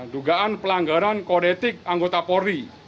dugaan pelanggaran kodetik anggota polri